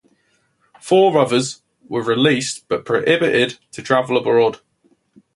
Four others were released but prohibited to travel abroad.